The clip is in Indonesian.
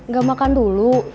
gak makan dulu